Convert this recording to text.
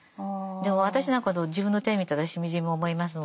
私なんかでも自分の手見たらしみじみ思いますもん。